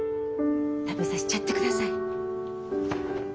食べさしちゃってください。